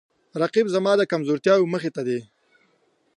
رقیب زما د کمزورتیاو مخ ته دی